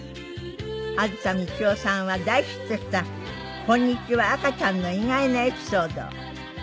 梓みちよさんは大ヒットした『こんにちは赤ちゃん』の意外なエピソードを。